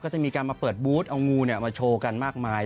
จะมีการมาเปิดบูธเอางูมาโชว์กันมากมาย